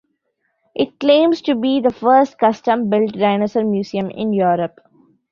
It claims to be the first custom-built dinosaur museum in Europe.